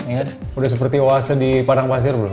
ya udah seperti oase di padang pasir belum